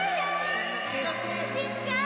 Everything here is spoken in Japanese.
しんちゃん！